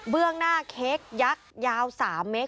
เบื้องหน้าเค้กยักษ์ยาว๓เมกซ์